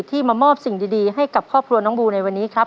มามอบสิ่งดีให้กับครอบครัวน้องบูในวันนี้ครับ